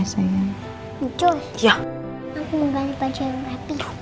aku mau ganti baju yang rapi